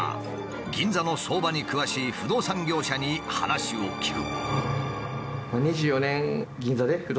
銀座の相場に詳しい不動産業者に話を聞く。